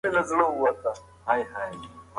لوستې نجونې ګډې موخې پياوړې کوي.